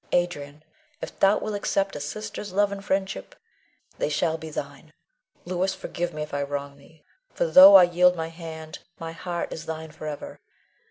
Adrian, if thou wilt accept a sister's love and friendship, they shall be thine. Louis, forgive me if I wrong thee; for though I yield my hand, my heart is thine forever.